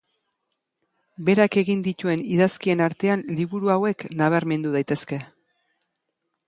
Berak egin dituen idazkien artean liburu hauek nabarmendu daitezke.